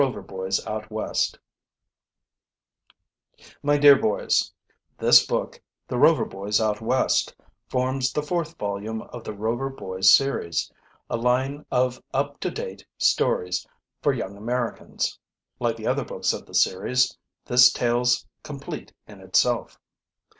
Winfield INTRODUCTION My Dear Boys: This book, "The Rover Boys Out West," forms the fourth volume of the "Rover Boys Series," a line of up to date stories for Young Americans. Like the other books of the series, this tale's complete in itself.